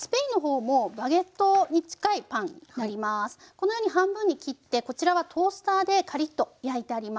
このように半分に切ってこちらはトースターでカリッと焼いてあります。